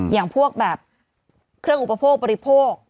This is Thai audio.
อย่างพวกแบบเครื่องอุปโภคบริโภค